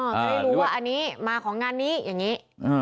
จะได้รู้ว่าอันนี้มาของงานนี้อย่างนี้